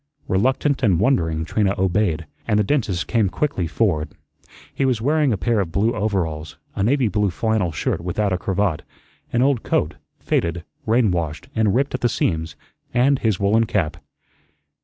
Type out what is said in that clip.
Reluctant and wondering, Trina obeyed, and the dentist came quickly forward. He was wearing a pair of blue overalls; a navy blue flannel shirt without a cravat; an old coat, faded, rain washed, and ripped at the seams; and his woollen cap.